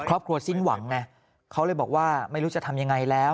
ครอบครัวสิ้นหวังไงเขาเลยบอกว่าไม่รู้จะทำยังไงแล้ว